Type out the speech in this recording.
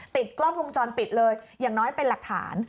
ติดกล้องวงจรปิดเลยอย่างน้อยเป็นหลักฐาน